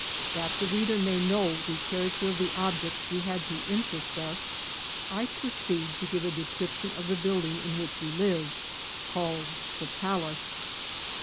That the reader may know the character of the objects we had to interest us, I proceed to give a description of the building in which we lived, called the palace.